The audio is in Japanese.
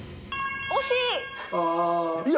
惜しい！